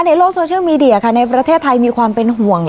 ในโลกโซเชียลมีเดียค่ะในประเทศไทยมีความเป็นห่วง